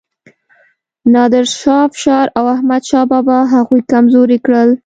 نادر شاه افشار او احمد شاه بابا هغوی کمزوري کړل.